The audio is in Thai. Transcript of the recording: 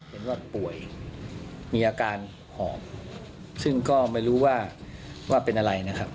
เห็นว่าป่วยมีอาการหอบซึ่งก็ไม่รู้ว่าว่าเป็นอะไรนะครับ